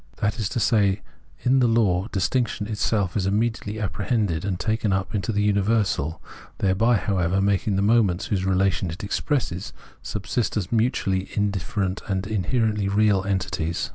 That is to say, in the law distinction itself is immediately apprehended and taken up into the universal, thereby, however, making the moments, whose relation it expresses, subsist as mutually indifferent and inherently real entities.